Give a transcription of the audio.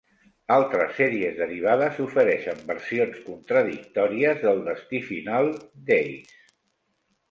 Altres sèries derivades ofereixen versions contradictòries del destí final d'Ace.